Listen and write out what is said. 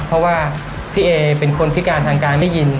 เพราะว่าพี่เอเป็นคนพิการทางการได้ยิน